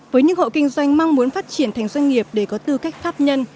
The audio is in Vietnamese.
với những hộ kinh doanh mong muốn phát triển thành doanh nghiệp để có tư cách pháp nhân